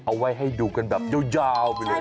เอาไว้ให้ดูกันแบบยาวไปเลย